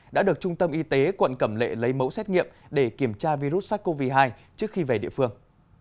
đã được trung tâm y tế quận cẩm lệ lấy mẫu xét nghiệm để kiểm tra virus sars cov hai trước khi về địa phương